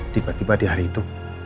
tiba tiba di hari itu